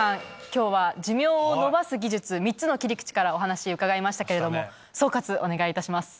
今日は寿命を延ばす技術３つの切り口からお話伺いましたけれども総括お願いいたします。